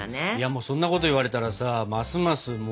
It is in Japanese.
そんなこと言われたらさますます